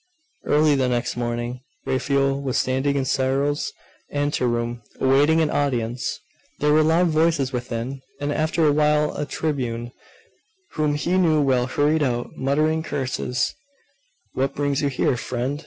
............... Early the next morning, Raphael was standing in Cyril's anteroom, awaiting an audience. There were loud voices within; and after a while a tribune whom he knew well hurried out, muttering curses 'What brings you here, friend?